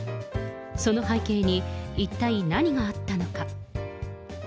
その背景に、一体何があったのか。